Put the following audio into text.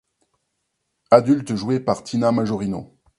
Adulte joué par Tina Majorino.